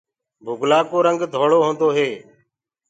بُگلآ ڪو رنگ ڌوݪو هوندو هي۔